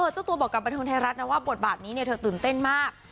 เจ้าตัวบอกกับบันเทิงไทยรัฐนะว่าบทบาทนี้เธอตื่นเต้นมาก